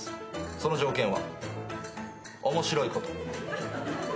その条件は面白いこと。